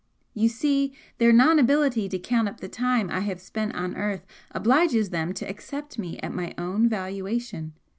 You see their non ability to count up the time I have spent on earth obliges them to accept me at my own valuation!